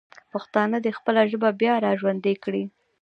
پښتانه دې خپله ژبه بیا راژوندی کړي.